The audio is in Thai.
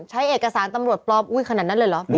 ใช้เอกสารตำรวจปลอมอุ้ยขนาดนั้นเลยเหรอ